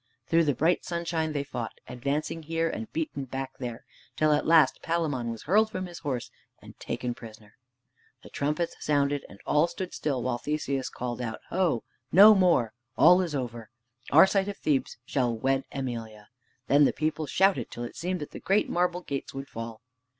Through the bright sunshine they fought, advancing here, and beaten back there, till at last Palamon was hurled from his horse and taken prisoner. The trumpets sounded, and all stood still while Theseus called out, "Ho! no more. All is over. Arcite of Thebes khall wed Emelia." Then the people shouted till it seemed that the great marble gates would fall.